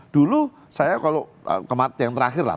dulu saya kalau yang terakhir lah